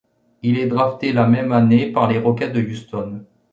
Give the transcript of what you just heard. Il est drafté la même année par les Rockets de Houston.